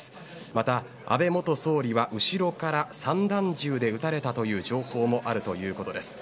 また、安倍元総理は後ろから散弾銃で撃たれたという情報もあるということです。